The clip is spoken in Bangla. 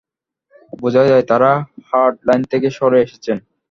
বোঝা যায়, তাঁরা হার্ডলাইন থেকে সরে এসেছেন।